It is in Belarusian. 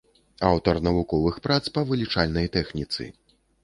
Аўтар навуковых прац па вылічальнай тэхніцы.